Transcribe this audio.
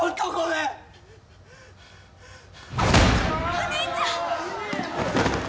お兄ちゃん！